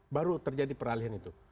baru terjadi peralihan itu